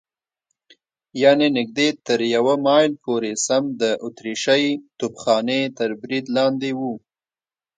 یعنې نږدې تر یوه مایل پورې سم د اتریشۍ توپخانې تر برید لاندې و.